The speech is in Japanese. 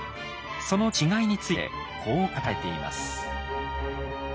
その違いについてこう語られています。